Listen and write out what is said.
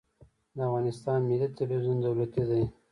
د افغانستان ملي تلویزیون دولتي دی